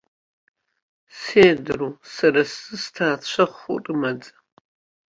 Седроу, сара сзы сҭаацәа хәы рымаӡам.